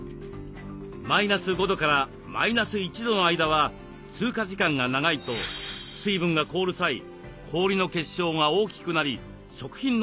マイナス５度からマイナス１度の間は通過時間が長いと水分が凍る際氷の結晶が大きくなり食品の組織を損なうのです。